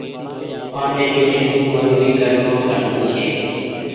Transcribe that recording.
وآندي ٻيٺي سون مزوري ڪرڻو ڀلو ڇي۔